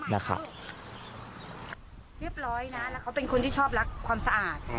เรียบร้อยนะแล้วเขาเป็นคนที่ชอบรักความสะอาด